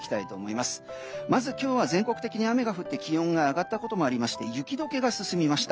まず今日は全国的に雨が降って気温が上がったこともありまして雪解けが進みました。